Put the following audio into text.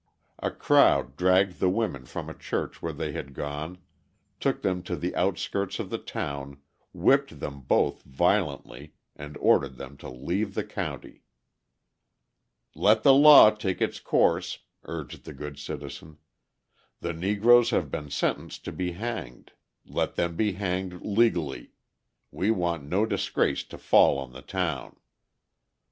A crowd dragged the women from a church where they had gone, took them to the outskirts of the town, whipped them both violently, and ordered them to leave the county. "Let the law take its course," urged the good citizen. "The Negroes have been sentenced to be hanged, let them be hanged legally; we want no disgrace to fall on the town."